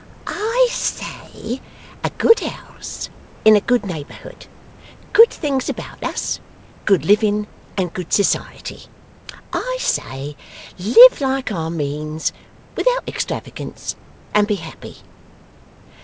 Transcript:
'I say, a good house in a good neighbourhood, good things about us, good living, and good society. I say, live like our means, without extravagance, and be happy.